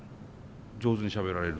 上手にしゃべられる。